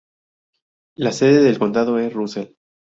La sede del condado es Russell.